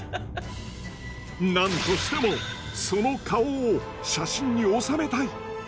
何としてもその顔を写真に収めたい。